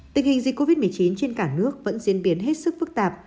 tình hình dịch covid một mươi chín trên cả nước vẫn diễn biến hết sức phức tạp